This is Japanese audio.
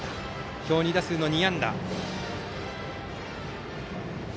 今日、２打数２安打。